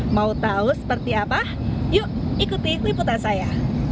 mau tahu seperti apa yuk ikuti liputan saya